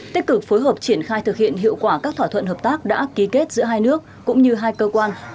tích cực phối hợp triển khai thực hiện hiệu quả các thỏa thuận hợp tác đã ký kết giữa hai nước cũng như hai cơ quan